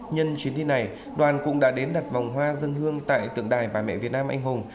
nhân chuyến đi này đoàn cũng đã đến đặt vòng hoa dân hương tại tượng đài bà mẹ việt nam anh hùng